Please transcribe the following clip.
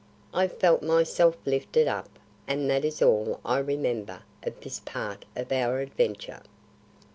I felt myself lifted up, and that is all I remember of this part of our adventure.